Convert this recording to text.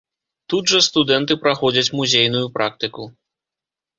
Тут жа студэнты праходзяць музейную практыку.